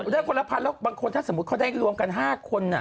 ได้คนละพันแล้วบางคนถ้าสมมุติเขาได้รวมกัน๕คน